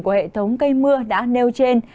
của hệ thống cây mưa đã nêu trên